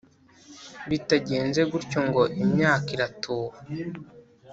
bitagenze gutyo ngo imyaka iratuba.